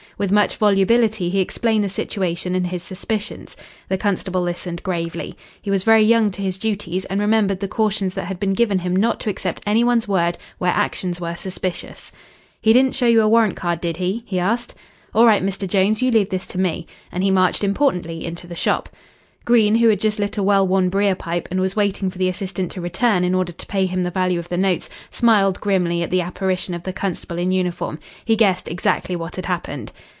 With much volubility he explained the situation and his suspicions. The constable listened gravely. He was very young to his duties, and remembered the cautions that had been given him not to accept any one's word where actions were suspicious. "He didn't show you a warrant card, did he?" he asked. "All right, Mr. Jones, you leave this to me." And he marched importantly into the shop. Green, who had just lit a well worn brier pipe, and was waiting for the assistant to return in order to pay him the value of the notes, smiled grimly at the apparition of the constable in uniform. He guessed exactly what had happened.